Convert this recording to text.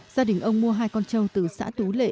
gia đình ông mua hai con trâu từ xã tú lệ